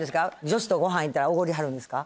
女子とごはん行ったらおごりはるんですか？